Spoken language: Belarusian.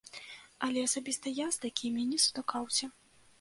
Але асабіста я з такімі не сутыкаўся.